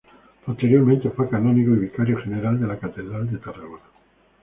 Posteriormente fue canónigo y vicario general de la Catedral de Tarragona.